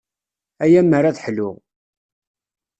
Ay ammer ad ḥluɣ.